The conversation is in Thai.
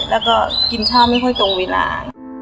แล้วก็กินข้าวไม่ค่อยตรงเวลา